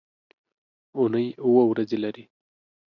اونۍ اووه ورځې لري.